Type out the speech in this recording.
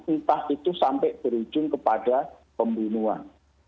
entah itu sampai berujung kepada pembunuhan